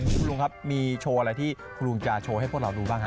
คุณลุงครับมีโชว์อะไรที่คุณลุงจะโชว์ให้พวกเราดูบ้างครับ